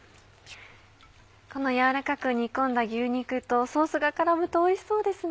この軟らかく煮込んだ牛肉とソースが絡むとおいしそうですね！